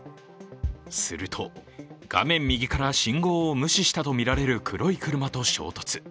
すると、画面右から信号を無視したとみられる黒い車と衝突。